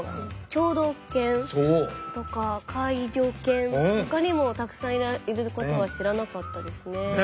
聴導犬とか介助犬ほかにもたくさんいることは知らなかったですね。